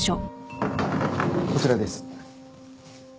こちらです。